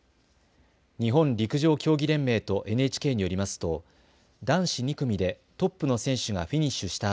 日本陸上競技連盟とＮＨＫによりますと男子２組でトップの選手がフィニッシュした